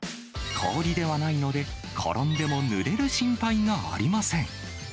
氷ではないので、転んでもぬれる心配がありません。